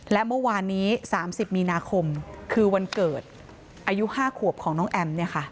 และเมื่อวานนี้๓๐มีนาคมคือวันเกิดอายุ๕ขวบของน้องแอม